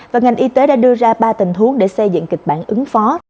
và ngành y tế đã đưa ra ba tình huống để xây dựng kịch bản ứng phó